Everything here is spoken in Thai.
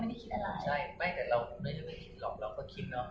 บ๊วยก็ยังไม่ได้คิดอะไรนะ